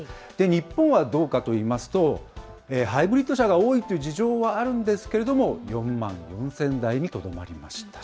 日本はどうかといいますと、ハイブリッド車が多いという事情はあるんですけれども、４万４０００台にとどまりました。